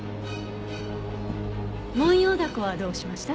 モンヨウダコはどうしました？